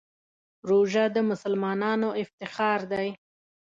روژه د مسلمانانو افتخار دی.